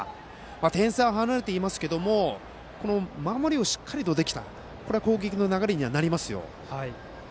点差は離れていますが守りをしっかりできたことで攻撃の流れになりますよ。